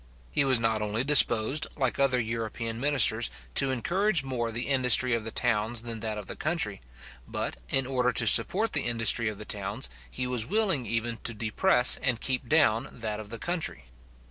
He was not only disposed, like other European ministers, to encourage more the industry of the towns than that of the country; but, in order to support the industry of the towns, he was willing even to depress and keep down that of the country.